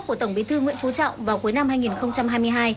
của tổng bí thư nguyễn phú trọng vào cuối năm hai nghìn hai mươi hai